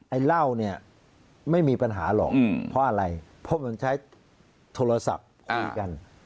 เหล้าเนี่ยไม่มีปัญหาหรอกเพราะอะไรเพราะมันใช้โทรศัพท์คุยกัน